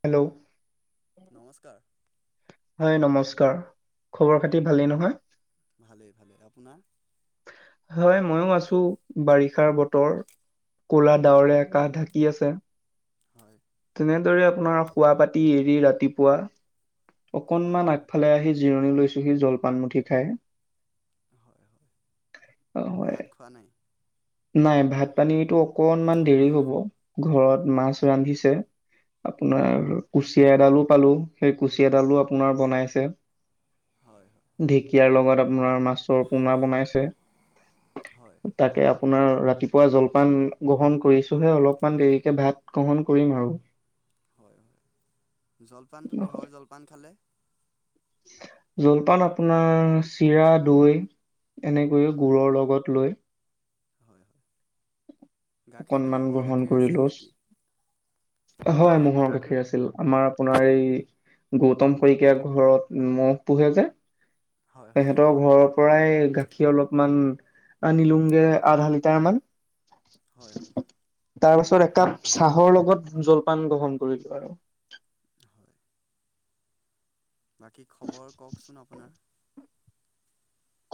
Hello, নমস্কাৰ। হয় নমস্কাৰ খবৰ খাতি ভালেই নহয়? ভালে- ভালে আপোনাৰ? হয়, ময়ো আছো বাৰিষাৰ বতৰ। কলা ডাৱৰে হয় আকাশ ঢাকি আছে। হয় তেনেদৰে আপোনাৰ শুৱা পাতি এৰি ৰাতিপুৱা হয় অকণমান আগফালে আহি জিৰণি লৈছোঁহি জলপানমুঠি খাই। হয় অ, হয় ভাত খোৱা নায়? নাই ভাত পানীতো অকনমান দেৰি হব ঘৰত মাছ হয় ৰান্ধিছে। হয় আপোনাৰ কুচিয়া এডালো পালো সেই কুচিয়াডালো আপোনাৰ বনাইছে। হয় ঢেঁকীয়াৰ লগত আপোনাৰ মাছৰ পোনা বনাইছে। হয় তাকে আপোনাৰ ৰাতিপুৱা জলপান গ্ৰহণ কৰিছোহে অলপমান দেৰিকে ভাত গ্ৰহণ কৰিম আৰু। হয়- হয় জলপানটো নহয় কিহৰ জলপান খালে? জলপান আপোনাৰ চিৰা, দৈ। এনেকৈয়ও হয় গুৰৰ লগত লৈ। হয় হয় গাখীৰটো অকনমান মহৰ গ্ৰহণ গাখীৰ কৰিলো আছিল নেকি? হয়, মহৰ গাখীৰ আছিল আমাৰ আপোনাৰ এই গৌতম শইকীয় ঘৰত মহ পোহে যে হয় তেহেঁতৰ ঘৰত পৰাই গাখীৰ অলপমান আনি লুংগে আধা লিটাৰ মান। হয়। তাৰ পাছত একাপ চাহৰ লগত জলপান গ্ৰহণ কৰিলো আৰু। হয় বাকী খবৰ ক'কচোন আপোনাৰ?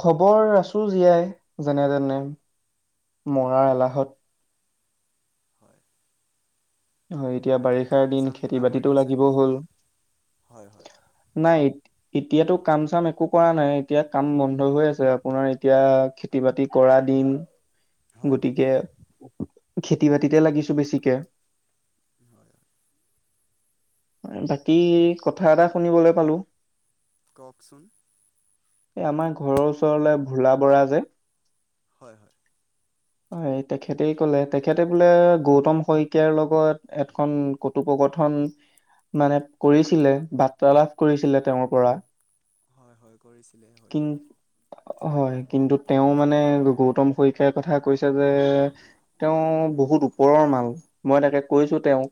খবৰ আছো জীয়াই যেনে তেনে হয় মৰাৰ এলাহত। হয় হয়, এতিয়া বাকী বাৰিষাৰ কাম দিন চাম খেতি কিবা কৰি বাতিতো আছে লাগিব নেকি হ'ল। হয় হয় নাইট এতিয়াতো কাম- চাম একো কৰা নাই এতিয়া কাম বন্ধ হৈ আছে। আপোনাৰ এতিয়া খেতি বাতি কৰা দি [inaudible] হয় গতিকে খেতি বাতিতে লাগিছো বেছিকে। হয় বাকী কথা এটা শুনিবলৈ পালো ক'কচোন? এই আমাৰ ঘৰৰ ওচৰলে ভোলা বৰা যে হয়- হয় হয়, তেখেতেই ক'লে তেখেতে বোলে গৌতম শইকীয়াৰ লগত এখন কতোপকথন মানে কৰিছিলে বাৰ্তালাভ কৰিছিলে। তেওঁৰ পৰা হয় -হয় কৰিছিলে হয়তো কিন হয়, কিন্তু তেওঁ মানে গৌতম শইকিয়াই কথা কৈছে যে তেওঁ বহুত ওপৰৰ মাল মই তাকে কৈছো তেওঁক,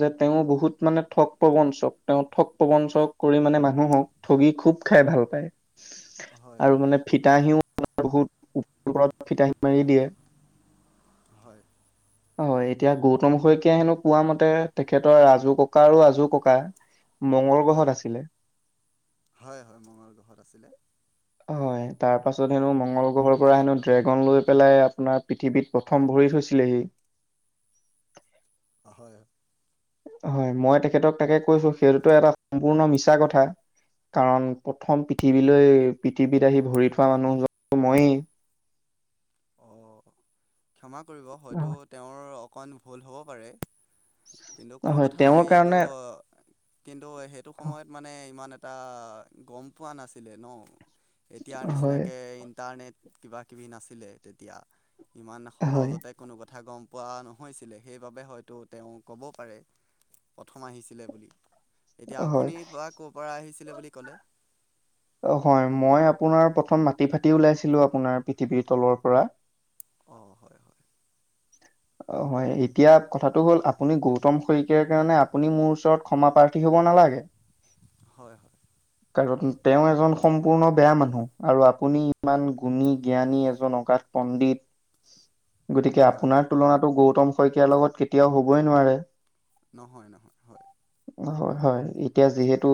যে তেওঁ বহুত মানে ঠগ প্ৰবঞ্চক তেওঁ ঠগ প্ৰবঞ্চক কৰি মানে মানুহক ঠগি খুব খাই ভাল পায়। হয় আৰু হয় মানে ফিতাহীও [unintelligible] বহুত ওপ -ওপৰত ফিতাহী মাৰি দিয়ে। হয়। হয়, এতিয়া গৌতম শইকীয়াই হেনো কোৱা মতে তেখেতৰ ৰাজু ককা আৰু আজু ককা মঙ্গল হয় গ্ৰহত আছিলে হয় হয় মঙল গ্ৰহত আছিলে [inaudible] হয়। তাৰ পাছত হেনো মঙ্গল গ্ৰহৰ পৰা হেনো ড্ৰেগন লৈ পেলাই আপোনাৰ পৃথিৱীত প্ৰথম ভৰি থৈছিলেহি। হয়। হয় মই তেখেতক তাকে কৈছো সেইটোতো এটা সম্পূৰ্ণ মিছা কথা। কাৰণ প্ৰথম পৃথিৱীলৈ পৃথিৱীত আহি ভৰি থোৱা মানুহজন মইয়ে। অ ক্ষমা কৰিব হয়তো তেওঁৰ অকণ ভুল হ'ব পাৰে। কিন্তু কোনো হয়, কথা তেওঁৰ নাই এইটো কাৰণে কিন্তু সেইটো সময়ত মানে ইমান এটা গম পোৱা নাছিলে ন। এতিয়াৰ হয়, নিচিনাকে ইণ্টাৰনেট কিবা কিবি নাছিলে তেতিয়া। ইমান হয়, সহজতে কোনো ক কথা গম পোৱা নহৈছিলে সেইবাবে হয়তো তেওঁ ক'ব পাৰে। প্ৰথম আহিছিলে বুলি, এতিয়া হয়। আপুনি বা ক'ৰ পৰা আহিছিলে বুলি ক'লে? অ হয় মই আপোনাৰ প্ৰথম মাটি ফাটি ওলাইছিলো আপোনাৰ পৃথিৱীৰ তলৰ পৰা। অ হয় হয়। অ হয় এতিয়া কথাটো হ'ল আপুনি গৌতম শইকীয়াৰ কাৰণে আপুনি মোৰ ওচৰত ক্ষমা প্ৰাৰ্থী হ'ব নালাগে। হয় হয়। কাৰণ তেওঁ এজন সম্পূৰ্ণ বেয়া মানুহ আৰু আপুনি ইমান গুণী জ্ঞানী এজন অকান পণ্ডিত গতি হয় আপোনাৰ হয় তুলনাতটো গৌতম শইকীয়াৰ লগত কেতিয়াও হ'বই নোৱাৰে। নহয় নহয় হয়। হয় হয় এতিয়া যিহেতু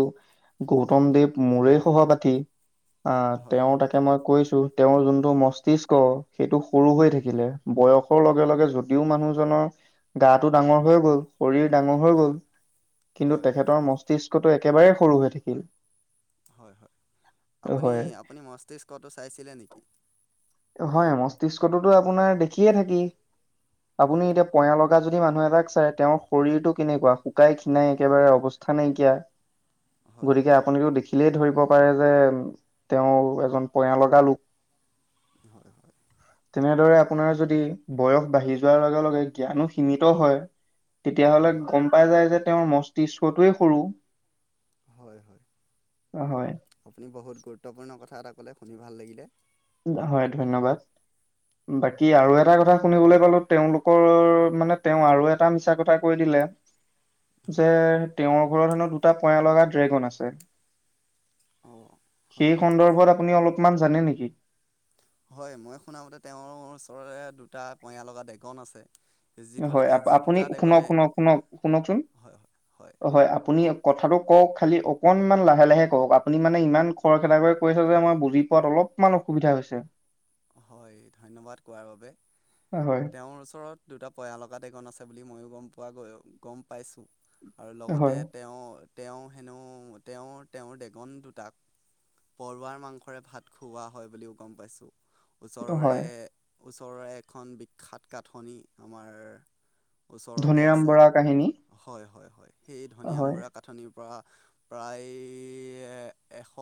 গৌতম দেৱ মোৰে সহপাঠী আ হয় হয় তেওঁ তাকে মই কৈছো তেওঁৰ যোনটো মস্তিষ্ক সেইটো সৰু হৈ থাকিলে। বয়স লগে লগে যদিও মানুহজনৰ গাটো ডাঙৰ হৈ গ'ল, শৰীৰ ডাঙৰ হৈ গল, হয় কিন্তু হয় তেখেতৰ মস্তিষ্কটো একেবাৰেই সৰু হৈ থাকিল। হয় আপুনি হয় আপুনি মস্তিষ্কটো চাইছিলে নেকি? হয় মস্তিষ্কটো ত আপোনাৰ দেখিয়ে থাকি। আপুনি হয় এতিয়া পয়া লগা যদি মানুহ এটাক চাই তেওঁৰ শৰীৰটো কেনেকুৱা শুকাই খিনাই একেবাৰে অৱস্থা নাইকিয়া। হয় হয় গতিকে আপোনিটো দেখি দেখিলেই ধৰিব পাৰে যে, তেওঁ এজন পয়া লগা লোক। হয় হয় তেনেদৰে আপোনাৰ যদি বয়স বাঢ়ি যোৱাৰ লগে লগে জ্ঞানো সীমিত হয় তেতিয়াাহ'লে হয় গম পাই যায় যে তেওঁৰ মস্তিষ্কটোৱে সৰু। হয় হয়। হয় আপুনি বহুত গুৰুত্বপূৰ্ণ কথা এটা কলে শুনি ভাল লাগিলে। হয়, ধন্যবাদ। বাকী আৰু এটা কথা শুনিবলৈ পালো, তেওঁলোকৰ মানে তেওঁ আৰু এটা মিছা কথা কৈ দিলে [inaudible] যে হয় তেওঁৰ ঘৰত হেনো দুটা পয়া লগা ড্ৰেগন আছে। অঁ হয় সেই হয় সন্দৰ্ভত আপুনি অলপমান জানে নেকি? হয় মই শুনামতে তেওঁৰ ওচৰৰে দুটা পয় লগা দেগন আছে। যিটো হয়, যি আপুনি দুটা শুনক ডেকনে শুনক শুনক শুনকচোন। হয় হয় হয়, আপুনি কওক কথাটো কওক? খালী অকণমান লাহে লাহে কওক, আপুনি মানে ইমান খৰ খেদা কৈ কৈছ যে, মই বুজি পোৱাত অলপমান অসুবিধা হৈছে। ছে। হয় ধন্যবাদ কোৱাৰ বাবে। হয়, তেওঁৰ ওচৰত দুটা পয়ালগা ডেগন আছে বুলি ময়ো গম পোৱা গয় গম পাইছোঁ। আৰু লগতে হয়, তেওঁ তেওঁ হেনো, তেওঁৰ তেওঁৰ ডেগন দুটাক পৰুৱাৰ মাংসৰে ভাত খুওৱা হয় বুলিও গম পাইছো। ওচৰৰে, হয়। ওচৰৰে এখন বিখ্যাত কাথনি আমাৰ। ওচৰতে ধনীৰাম আছে। বৰাৰ কাহিনী, হয় হয় হয়, সেই ধনীয়াম হয়, বুঢ়া কাঠনিৰ পৰা। প্ৰায় এশ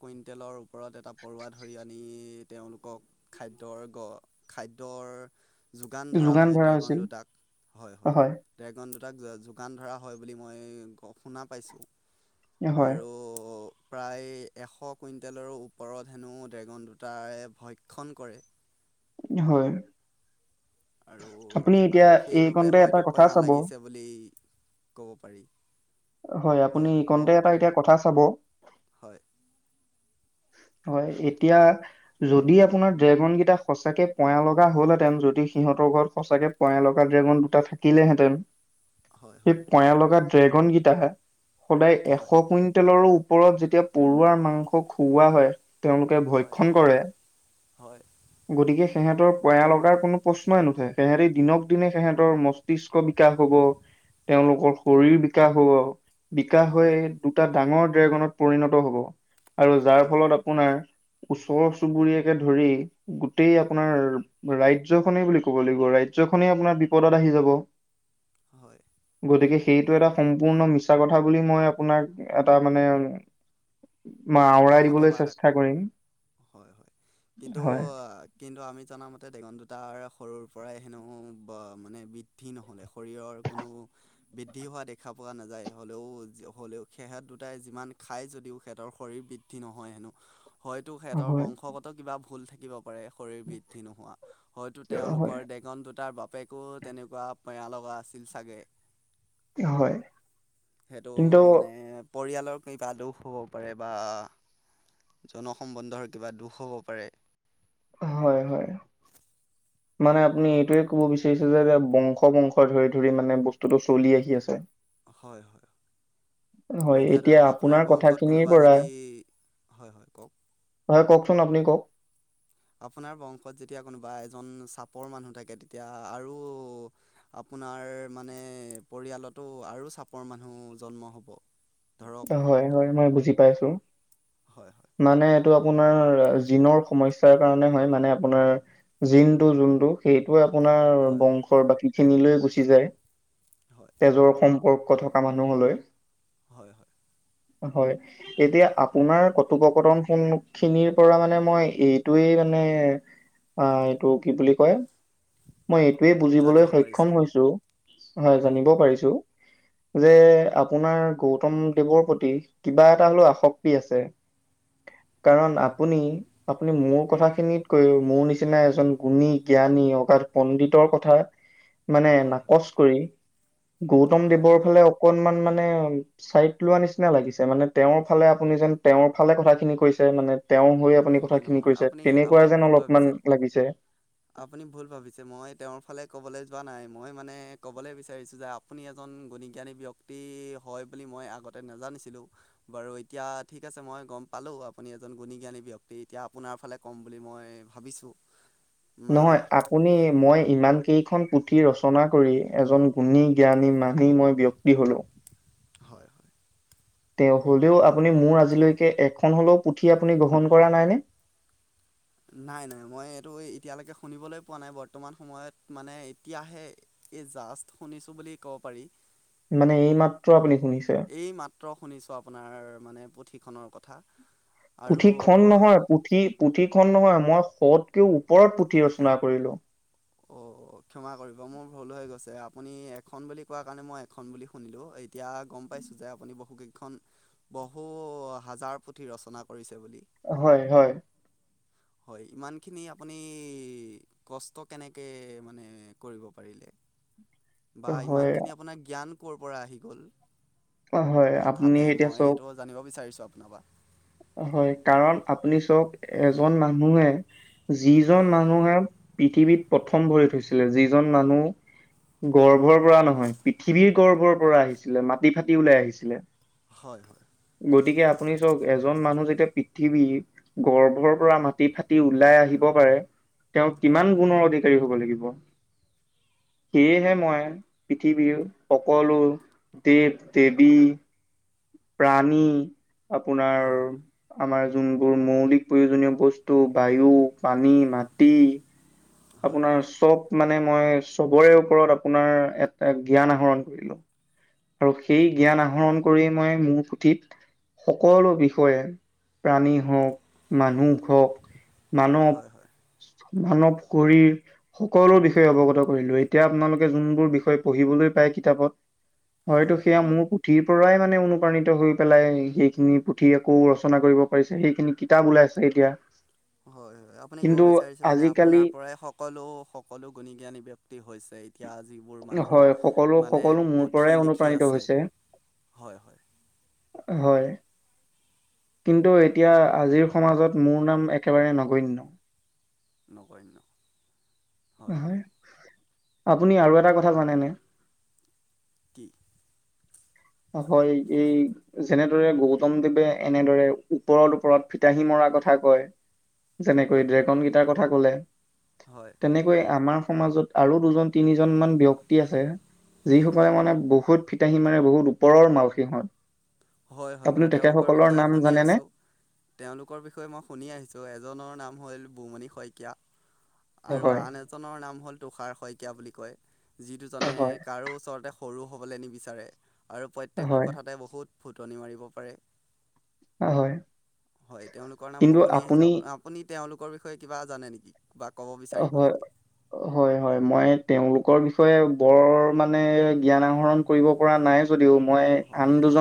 কুইণ্টেলৰ ওপৰত এটা পৰুৱা ধৰি আনি তেওঁলোকক খাদ্যৰ গ খাদ্যৰ যোগান ধৰা হয় ড্ৰেগন দুটাক। হয় হয়। ড্ৰেগন দুটা তাক যোগান ধৰা হয় বুলি মই গ শুনা পাইছোঁ। হয়, আৰু প্ৰায় এশ কুইণ্টেলৰো ওপৰত হেনো ড্ৰেগন দুটায়ে ভক্ষণ কৰে। হয়। আৰু আপুনি এতিয়া আৰু সেইবাবে এইকণতে এটা হয়তো কথা পয়া চাব, লাগিছে বুলি। ক'ব পাৰি। হয়, আপুনি কণ্টেক এটা এতিয়া কথা চাব। হয় [inaudible] হয়। এতিয়া যদি আপোনাৰ ড্ৰেগন কেইটা সচাকে পয়া লগা হল হেতেন যদি সিহঁত ঘৰত সঁচাকে পয়া লগা ড্ৰেগন দুটা থাকিলেহেঁতেন। হয় সেই হয় পয়া লগা ড্ৰেগন গিতা সদায় এশ হয় কুইণ্টেলৰো ওপৰত যেতিয়া পৰুৱাৰ মাংস খুওৱা হয়। তেওঁলোকে হয় ভক্ষণ কৰে। হয় গতিকে সিহঁতৰ পয়ালগা লগাৰ কোনো প্ৰশ্নই নুঠে। তেহেতি দিনক দিনে সিহঁতৰ মস্তিষ্ক বিকাশ হব। তেওঁলোকৰ শৰীৰ বিকাশ হব। বিকাশ হৈ হয় দুটা ডাঙৰ ড্ৰেগনত পৰিণত হব আৰু যাৰ হয় ফলত আপোনাৰ ওচৰ চুবুৰীয়াকে ধৰি গোটেই আপোনাৰ ৰাজ্যখনেই বুলি ক'ব লাগিব। ৰাজ্য খনেই আপোনাৰ বিপদত আহি যাব। হয়। গতিকে সেইটো এটা সম্পূৰ্ণ মিছা কথা বুলি মই আপোনাক এটা মানে উম। আাওৰাই দিবলৈ মতবাদ চেষ্টা কৰিম। হয় হয় কিন্তু হয়, কিন্তু আমি জাম মতে ডেগন দুটাৰ সৰুৰ পৰাই হেনো বা মানে বৃদ্ধি নহলে শৰীৰৰ কোনো বৃদ্ধি হোৱা দেখা প পোৱা নাযায় হ'লেও হ'লেও সিহঁত দুটাই যিমান খায় যদিও সিহঁতৰ শৰীৰ বৃ দ্ধি নহয় হেনো হয়তো সিহঁতৰ হয়, বংশগত কিবা ভুল থাকিব। শৰীৰ বৃদ্ধি নোহোৱা, হয়তো হয়, তেওঁলোকৰ ডেগন দুটাৰ বাপ বাপেকো তেনেকুৱা বেয়া লগা আছিল চাগে। হয়। সেইটো কিন্তু মানে পৰিয়ালৰ কিবা দুখ হ'ব পাৰে বা জনসম্বন্ধৰ কিবা দুখ হ'ব পাৰে। হয়, হয়। মানে আপুনি এইটোৱে কব বিচাৰিছে যে বংশ বংশ ধৰি ধৰি মানে বস্তুটো চলি আহি আছে। হয় হয়। হয়, এতিয়া ধৰক আপোনাৰ বংশত কথাখিনিৰ কোনোবা পৰা যদি হয় হয় কওঁক। হয় কওকচোন আপুনি কওক। আপোনাৰ বংশত যেতিয়া কোনোবা এজন চাপৰ মানুহ থাকে তেতিয়া আৰু। আপোনাৰ মানে পৰিয়ালতো আৰু চাপৰ মানুহ জন্ম হ'ব। ধৰক হয় হয় মই বুজি পাইছো হয় হয় মানে। এইটো আপোনাৰ জিনৰ সমস্যাৰ কাৰণে হয়। মানে আপোনাৰ জিনটো যিটো আপোনাৰ হয় হয় বংশ বাকী খিনিলৈ গুচি যায় হয় তেজৰ সম্পৰ্ক ক থকা মানুহলৈ। হয় হয় হয় এতিয়া আপোনাৰ কথোপকথন খিনিৰ পৰা মানে মই এইটোয়ে মানে, আহ এইটো কি বুলি কয়! মই এইটোৱে বুজিবলৈ জানিব পাৰিছে সক্ষম হৈছো হয়, জানিব পাৰিছো, যে আপোনাৰ। গৌতম দেৱৰ প্ৰতি কিবা এটা হলেও আসক্তি আছে। [inaudible] কাৰণ আপুনি- আপুনি মোৰ কথাখিনিত কৈ মোৰ নিচিনা এজন গুণী জ্ঞানী অগাধ পণ্ডিতৰ কথা মানে হয় হয় নাকচ কৰি। গৌতম হয় দেৱৰ ফালে অকনমান মানে চাইড লোৱা নিচিনা লাগিছে মানে তেওঁৰ ফালে আপুনি যেন তেওঁৰ ফালে কথাখিনি কৈছে মানে। তেওঁ হৈ আপুনি নহয় কথাখিনি নহয় কৈছে। আপুনি তেনেকুৱা আপুনি ভুল যেন অলপমান ভাবিছে লাগিছে। আপুনি ভুল ভাবিছে মই তেওঁৰ ফালে কবলৈ। যোৱা নাই। মই মানে ক'বলৈ বিচাৰিছো যে আপুনি এজন গুণজ্ঞানী ব্যক্তি হয় বুলি মই আগত। নাজানিছিলো বাৰু এতিয়া ঠিক আছে। মই গম পালো আপুনি এজন গুণ জ্ঞানী। ব এতিয়া আপোনাৰ ফালে কম বুলি মই ভাবিছো। নহয় আপুনি মই ইমান কেইখন। ৰচনা কৰি এজন গুণী জ্ঞানী মানি মই ব্যক্তি হ'লো। হয় হয়। তে হলেও আপুনি মোৰ আজিলৈকে এখন হলেও পুথি আপুনি গ্ৰহণ কৰা নাইনে। [inaudible] নাই নাই মই এইটো এতিয়ালৈকে শুনিবলৈ পোৱা নাই বৰ্তমান সময়ত মানে এতিয়াহে এই জাষ্ট শুনিছো বুলি ক'ব পাৰি। মানে এইমাত্ৰ আপুনি শুনিছে এই মাত্ৰ শুনিছো আপোনাৰ মানে। ঠিখনৰ কথা। পুথি খন আৰু নহয়। পুথি পুথি খন নহয় মই। শতকেও ওপৰত পুথি ৰচনা কৰিলো। অ' ক্ষমা কৰিব মোৰ ভুল হৈ গৈছে। আপুনি এখন বুলি কোৱা কাৰণে মই এখন বুলি শুনিলো। এতিয়া গম পাইছো যে আপুনি বহুক খন বহু হাজাৰ পুথি ৰচনা কৰিছে। বুলি হয় হয় হয় ইমানখিনি আপুনি, কষ্ট কেনেকে মানে, কৰিব পাৰিলে। উ। বা ইমানখিনি আপোনাৰ জ্ঞান কৰ পৰা আহি গ'ল। অ' হয় আপুনি এতিয়া চওক। স্বপনবা। [inaudible] হয় কাৰণ আপুনি চক এজন মানুহে। যিজন হয় মানুহে, পৃথিৱীত প্ৰথম ভৰি থৈছিলে যিজন মানুহ। গৰ্ভৰ পৰা নহয়, পৃথিৱীৰ গৰ্ভৰ পৰা আহিছিলে মাটি ফাটি ওলাই আহিছিলে। হয় হয়। গতিকে আপুনি চক। এজন মানুহ যেতিয়া পৃথিৱী, গৰ্ভৰ পৰা মাটি ফাটি ওলাই আহিব পাৰে। তেওঁ হয় কিমান গুণৰ অধিকাৰী হ'ব লাগিব। [unintelligible] সেয়েহে মই, পৃথিৱীৰ সকলো দেৱ-দেৱী। প্ৰাণী, আপোনাৰ। হয় হয় আমাৰ যোনবোৰ মৌলিক প্ৰয়োজনীয় বস্তু বায়ু, পানী, মাটি। আপোনাৰ হয় চব। মানে মই চবৰে ওপৰত আপোনাৰ এটা জ্ঞান আহৰণ কৰিলো। আৰু সেই অ' জ্ঞান আহৰণ কৰি মই মোৰ পুথিত। সকলো বিষয়ে, প্ৰাণী হওক মানুহ হওক। মানৱ, হয় হয় হয় মানৱ। কৰি সকলো বিষয়ে অৱগত কৰিলো। এতিয়া আপোনালোকে যোনবোৰ বিষয় পঢ়িবলৈ পায় কিতাপত। হয় হয়তো সেয়া মোৰো। পুথিৰ পৰাই মানে অনুপ্ৰাণিত হৈ পেলাই। সেইখিনি পুথি আকৌ ৰচনা কৰিব পাৰিছে। সেইখিনি কিতাপ ওাই। আছে এতিয়া। হয় হয়। আপুনি ক'ব কিন্তু বিচাৰিছে মানে আজিকালি আপোনাৰ পৰাই। সকলো সকলো গুণী জ্ঞানী ব্যক্তি হৈছে। য়া যিবোৰ মানুহ হয়, সকলো মানে সকলো মোৰ পৰাই পুথি লিখি অনুপ্ৰাণিত আছে। হৈছে। হয় হয়। হয়। কিন্তু এতিয়া আজিৰ সমাজত মোৰ নাম একেবাৰে নগণ্য। নগৈ ন। আপুনি আৰু এটা কথা জানেনে। কি। হয় এই যেনেদৰে গৌতম দেৱে এনেদৰে ওপৰত ওপৰত ফিতাহী মৰা। কথা কৈ হয় যেনেকৈ হয় ড্ৰেগন গটাৰ কথা কলে হয় তেনেকৈ আমাৰ। সমাজত আৰু দুজন তিনিজন মান ব্যক্তি আছে। যিসকলে মানে বহুত ফিতাহী মানে বহুত ওপৰৰ মাল সিহঁত। হয় হয় আপুনি মই তেওঁলোকৰ তেখেতসকলৰ বিষয়ে নাম শুনি জানেনে? আছো। তেওঁলোকৰ বিষয়ে মই শুনি আহিছোঁ এজনৰ নাম হ'ল বুমণি শইকীয়া। আৰু হয়, আন এজনৰ নাম হল তুষাৰ শইকীয়া বুলি কয়, যি দুজনে হয়, কাৰো ওচৰতে। সৰু হ'বলৈ নিবিচাৰে, আৰু প্ৰত্যেকটো হয়, কথাতে বহুত ফুটনি মাৰিব পাৰে। হয়। হয় তেওঁলোকৰ নাম কিন্তু মই শুনি আপুনি আহিছো আপুনি তেওঁলোকৰ বিষয়ে কিবা জানে নেকি। বা ক'ব বিচাৰিব হয় নেকি হয়, হয় মই তেওঁলোকৰ বিষয়ে। বৰ মানে জ্ঞান আহৰণ কৰিব পৰা নাই যদিও মই আন দুজন।